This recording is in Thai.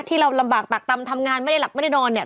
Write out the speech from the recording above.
ที่เราลำบากตักตำทำงานไม่ได้หลับไม่ได้นอนเนี่ย